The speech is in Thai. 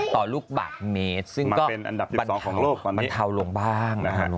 ต่อลูกบัตรเมตรซึ่งก็บรรเทาลงบ้าง